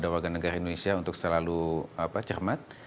warga negara indonesia untuk selalu cermat